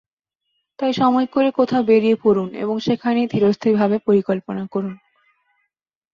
তাই সময় করে কোথাও বেড়িয়ে পড়ুন এবং সেখানেই ধীরস্থিরভাবে পরিকল্পনা করুন।